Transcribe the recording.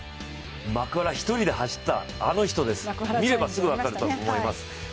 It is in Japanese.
マクワラ、一人で走ったあの人です見ればすぐ分かると思います。